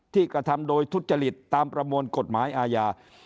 กระทำโดยทุจริตตามประมวลกฎหมายอาญา